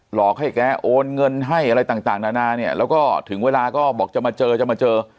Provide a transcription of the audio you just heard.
หลอกให้แกโอนเงินให้อะไรต่างนานาเนี่ยแล้วก็ถึงเวลาก็บอกจะมาเจอจะมาเจอ